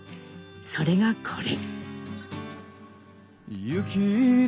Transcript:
それがこれ。